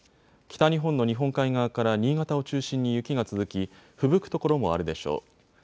北日本の日本海側から新潟を中心に雪が続き、ふぶく所もあるでしょう。